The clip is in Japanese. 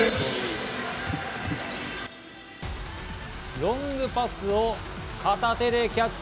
ロングパスを片手でキャッチ。